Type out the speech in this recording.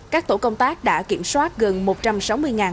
các tổ công tác đã kiểm soát gần một trường hợp vi phạm